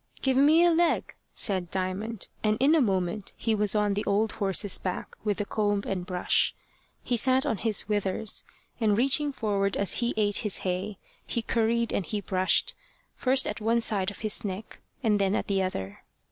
"Give me a leg," said Diamond, and in a moment he was on the old horse's back with the comb and brush. He sat on his withers, and reaching forward as he ate his hay, he curried and he brushed, first at one side of his neck, and then at the other.